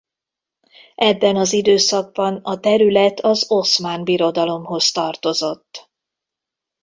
Ebben az időszakban a terület az Oszmán Birodalomhoz tartozott.